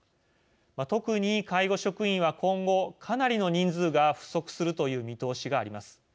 特に介護職員は今後かなりの人数が不足するという見通しがあります。